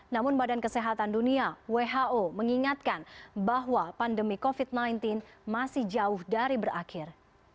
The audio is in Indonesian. namun badan kesehatan dunia who mengingatkan bahwa pandemi covid sembilan belas masih jauh dari berakhir